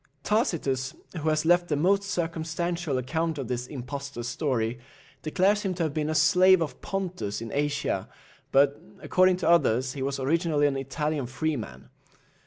Tacitus, who has left the most circumstantial account of this impostor's story, declares him to have been a slave of Pontus in Asia; but, according to others, he was originally an Italian freeman.